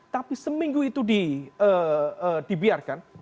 tapi seminggu itu dibiarkan